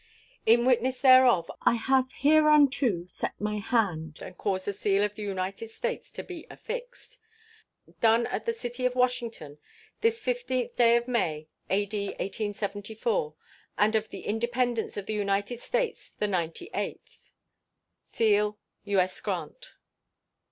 In witness whereof I have hereunto set my hand and caused the seal of the United States to be affixed. Done at the city of Washington, this 15th day of May, A.D. 1874, and of the Independence of the United States the ninety eighth. [SEAL.] U.S. GRANT.